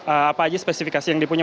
apa aja spesifikasi yang dipunya